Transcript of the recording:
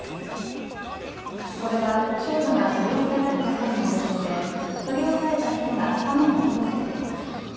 これは少女が取り押さえられた際の映像で取り押さえた人が刃物を遠ざけています。